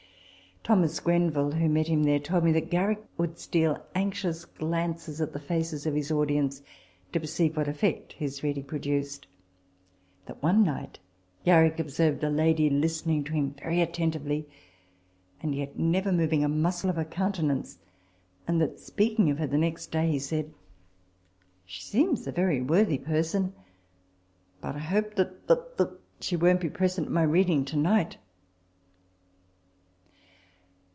Thomas Grenville,* who met him there, told me that Garrick would steal anxious glances at the faces of his audience, to perceive what effect his reading produced ; that, one night, Garrick observed a lady listening to him very atten tively, and yet never moving a muscle of her coun tenance ; and that, speaking of her next day, he said, " She seems a very worthy person ; but I hope that that that she won't be present at my reading to night."